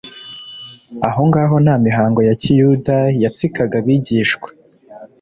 Aho ngaho nta mihango ya kiyuda yatsikaga abigishwa;